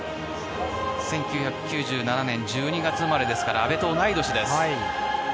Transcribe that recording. １９９７年１２月生まれですから阿部と同い年です。